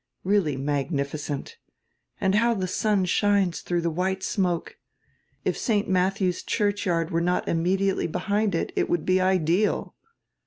Really magnificent! And how die sun shines dirough die white smoke! If St. Matdiew's Church yard were not immediately behind it it would be ideal."